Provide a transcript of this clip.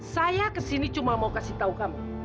saya ke sini cuma mau kasih tahu kamu